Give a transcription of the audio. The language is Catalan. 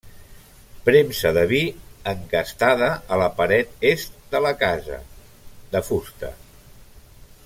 Premsa de vi encastada a la paret est de la casa, de fusta.